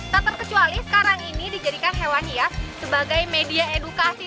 tak terkecuali sekarang ini dijadikan hewan hias sebagai media edukasi